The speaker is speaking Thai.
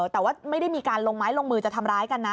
แต่ว่าไม่ได้มีการลงไม้ลงมือจะทำร้ายกันนะ